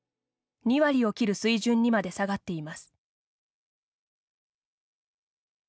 ２割を切る水準にまで下がっています。